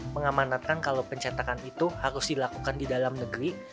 mengamanatkan kalau pencetakan itu harus dilakukan di dalam negeri